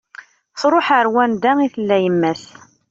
Truḥ ar wanda i tella yemma-s